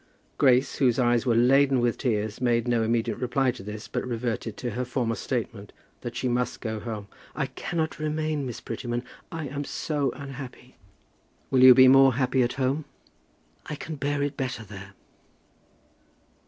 Grace, whose eyes were laden with tears, made no immediate reply to this, but reverted to her former statement, that she must go home. "I cannot remain, Miss Prettyman; I am so unhappy." "Will you be more happy at home?" "I can bear it better there."